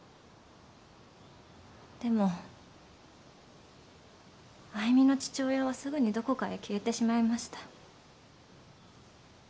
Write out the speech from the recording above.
でも愛魅の父親はすぐにどこかへ消えてしまいました。